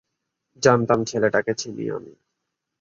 জানতাম ছেলেটাকে চিনি আমি।